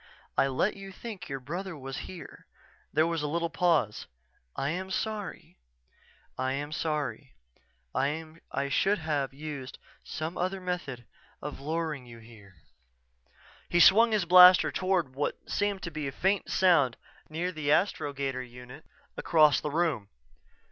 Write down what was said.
I let you think your brother was here...._" There was a little pause. "I am sorry. I am sorry. I should have used some other method of luring you here." He swung the blaster toward what seemed to be a faint sound near the astrogator unit across the room.